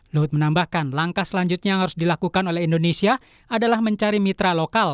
luhut menambahkan langkah selanjutnya yang harus dilakukan oleh indonesia adalah mencari mitra lokal